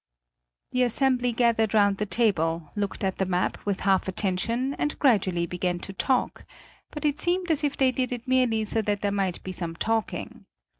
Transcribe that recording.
The assembly gathered round the table, looked at the map with half attention and gradually began to talk; but it seemed as if they did it merely so that there might be some talking.